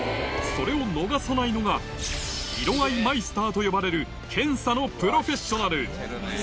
それを逃さないのが、色合いマイスターと呼ばれる検査のプロフェッショナル。